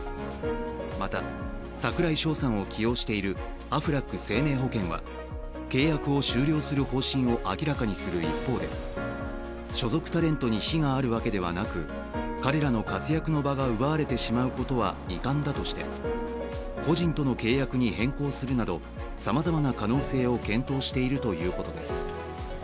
また、櫻井翔さんを起用しているアフラック生命保険は契約を終了する方針を明らかにする一方で所属タレントに非があるわけではなく、彼らの活躍の場が奪われてしまうことは遺憾だとして個人との契約に変更するなど、さまざまな可能性を検討しているということです。